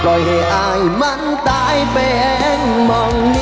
เข้าเขียนข้างรถแล้วรถมหาสนุก